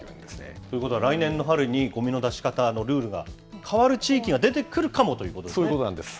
ということは来年の春にごみの出し方のルールが、変わる地域そういうことなんです。